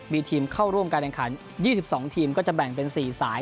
มีทีมเข้าร่วมการแข่งขัน๒๒ทีมก็จะแบ่งเป็น๔สาย